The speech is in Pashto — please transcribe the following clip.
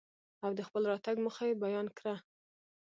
او دخپل راتګ موخه يې بيان کره.